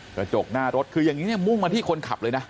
กระจกหน้ารถคืออย่างนี้เนี่ยมุ่งมาที่คนขับเลยนะ